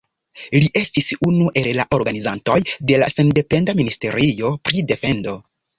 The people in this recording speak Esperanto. Li estis unu el la organizantoj de la sendependa ministerio pri defendo.